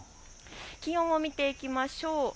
気温を見ていきましょう。